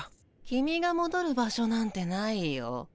キミがもどる場所なんてないよ。